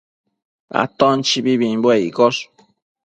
Aton chibibimbuec iccosh